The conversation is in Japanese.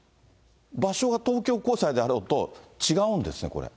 場所が東京高裁であろうと、違うんですね、これ。